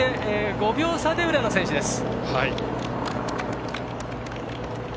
５秒差で浦野選手です。